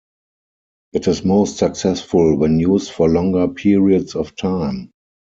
It is most successful when used for longer periods of time.